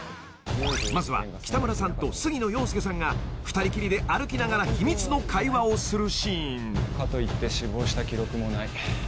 ［まずは北村さんと杉野遥亮さんが２人きりで歩きながら秘密の会話をするシーン］かといって死亡した記録もない。